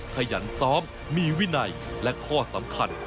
ขยันซ้อมมีวินัยและข้อสำคัญ